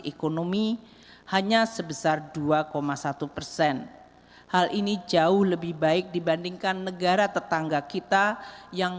ekonomi hanya sebesar dua satu persen hal ini jauh lebih baik dibandingkan negara tetangga kita yang